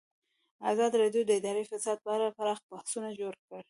ازادي راډیو د اداري فساد په اړه پراخ بحثونه جوړ کړي.